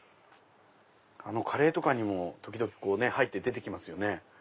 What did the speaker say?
カレーとかにも時々入って出てきますよね。